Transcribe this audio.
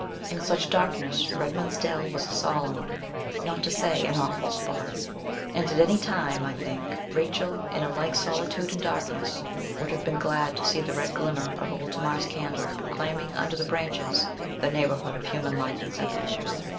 In such darkness Redman's dell was a solemn, not to say an awful, spot; and at any time, I think, Rachel, in a like solitude and darkness, would have been glad to see the red glimmer of old Tamar's candle proclaiming under the branches the neighbourhood of human life and sympathy.